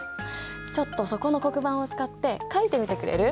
ちょっとそこの黒板を使って描いてみてくれる？